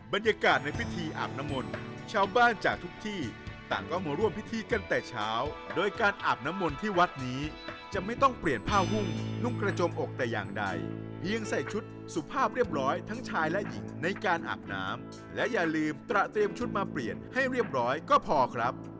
บรรยากาศในพิธีอาบน้ำมนต์ชาวบ้านจากทุกที่ต่างก็มาร่วมพิธีกันแต่เช้าโดยการอาบน้ำมนต์ที่วัดนี้จะไม่ต้องเปลี่ยนผ้าหุ้มนุ่งกระจมอกแต่อย่างใดเพียงใส่ชุดสุภาพเรียบร้อยทั้งชายและหญิงในการอาบน้ำและอย่าลืมตระเตรียมชุดมาเปลี่ยนให้เรียบร้อยก็พอครับ